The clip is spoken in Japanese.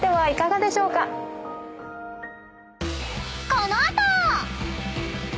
［この後］